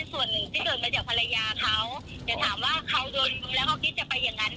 ป่วยในด้านผิดัวร้าอันนี้เค้าก็ไม่เคยได้รับการรักษานะ